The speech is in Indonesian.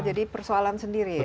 jadi persoalan sendiri ya